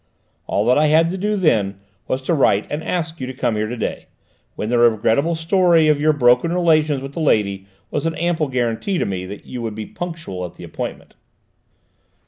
All I had to do then was to write and ask you to come here to day; and the regrettable story of your broken relations with the lady was an ample guarantee to me that you would be punctual at the appointment!"